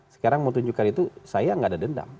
sekarang mau tunjukkan itu saya nggak ada dendam